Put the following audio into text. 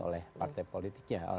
oleh partai politiknya